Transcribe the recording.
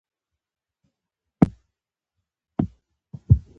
مشره څرنګه یی.